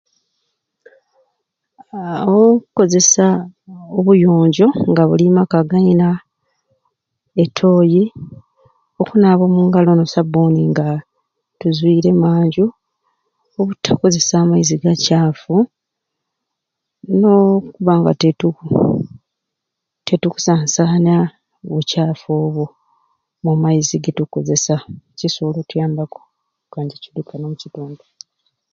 Aaa omukozesa obuyonjo nga buli makka gayina etooyi, okunaaba omungalo no sabuni nga tuzwiire emanju, obutakozesa maizi gakyafu, no kubanga titu titukusansanya bukyaffu obwo omu maizi getukukozesa kikusobola okutuyambaku oku kanja ekidukano omu kitundu.